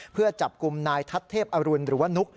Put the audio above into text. เพื่อจับกลุ่มนายทัศเทพอรุณหรือว่านุ๊ก